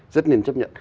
rất nên chấp nhận